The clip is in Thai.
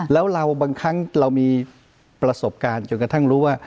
แล้วเราบางครั้งเรามีประสบการณ์จนกระทั่งรู้ว่า